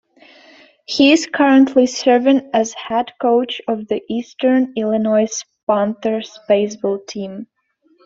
He is currently serving as head coach of the Eastern Illinois Panthers baseball team.